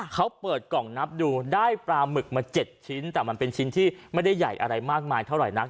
เขาเปิดกล่องนับดูได้ปลาหมึกมา๗ชิ้นแต่มันเป็นชิ้นที่ไม่ได้ใหญ่อะไรมากมายเท่าไหร่นัก